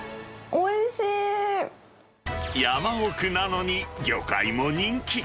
山奥なのに、魚介も人気。